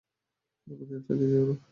আমাদের ফেলে যেয়ো না!